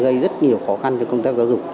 gây rất nhiều khó khăn cho công tác giáo dục